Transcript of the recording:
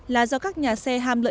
là do các nhà xe nhận vận chuyển